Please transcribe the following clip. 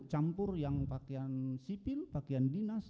campur yang pakaian sipil pakaian dinas